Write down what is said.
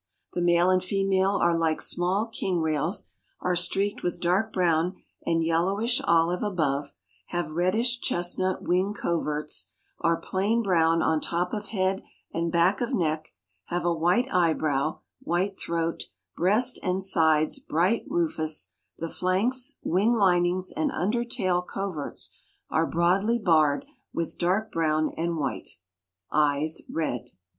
The male and female are like small king rails, are streaked with dark brown and yellowish olive above, have reddish chestnut wing coverts, are plain brown on top of head and back of neck, have a white eyebrow, white throat, breast and sides bright rufous; the flanks, wing linings and under tail coverts are broadly barred with dark brown and white; eyes red.